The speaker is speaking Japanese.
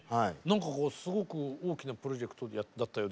何かすごく大きなプロジェクトだったようで。